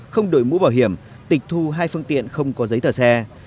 không đổi mũ bảo hiểm tịch thu hai phương tiện không có giấy tờ xe